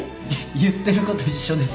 言ってること一緒です